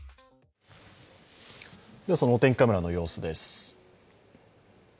お天気カメラの様子です。